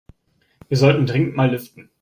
Wir sollten dringend mal lüften.